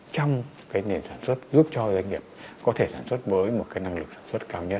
trong cái nền sản xuất giúp cho doanh nghiệp có thể sản xuất với một cái năng lực sản xuất cao nhất